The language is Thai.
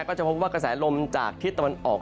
ก็จะพบว่ากระแสลมจากทิศตะวันออก